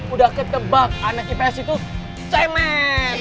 udah ketebak anak ips itu cemen